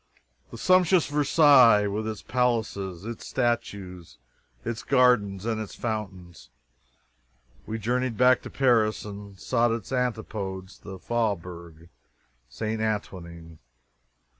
From sumptuous Versailles, with its palaces, its statues, its gardens, and its fountains, we journeyed back to Paris and sought its antipodes the Faubourg St. Antoine.